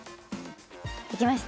できました。